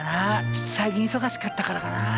ちょっと最近忙しかったからかな。